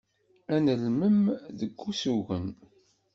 Ad nelmem deg usugen.